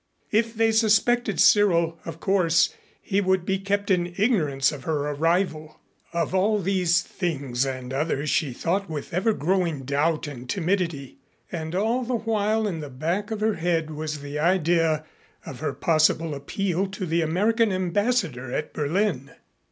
If they suspected Cyril, of course he would be kept in ignorance of her arrival. Of all these things and others she thought with ever growing doubt and timidity. And all the while in the back of her head was the idea of her possible appeal to the American Ambassador at Berlin.